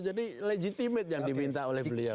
jadi legitimate yang diminta oleh beliau